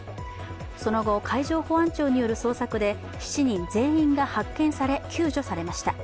その後、海上保安庁による捜索で７人全員が発見され発見され、救助されました。